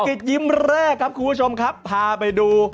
กิจยิ้มแรกครับคุณผู้ชมครับพาไปดู